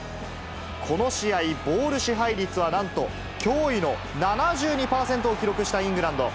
この試合、ボール支配率はなんと驚異の７２％を記録したイングランド。